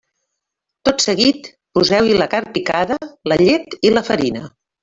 Tot seguit poseu-hi la carn picada, la llet i la farina.